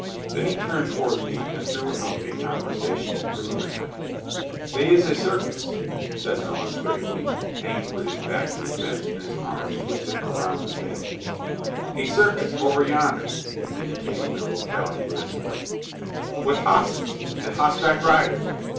Then he turned toward me and threw out a conversational preliminary. "They is a cirkis" said Melons gravely, hanging with his back to the fence and his arms twisted around the palings "a cirkis over yonder!" indicating the locality with his foot "with hosses, and hossback riders.